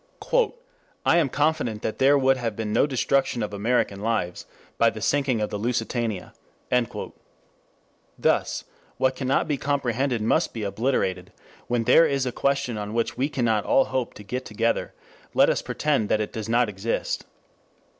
"... I am confident that there would have been no destruction of American lives by the sinking of the Lusitania." Thus, what cannot be compromised must be obliterated, when there is a question on which we cannot all hope to get together, let us pretend that it does not exist.